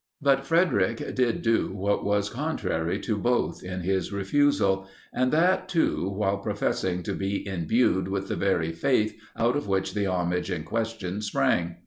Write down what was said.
But Frederic did do what was contrary to both in his refusal; and that, too, while professing to be imbued with the very faith out of which the homage in question sprang.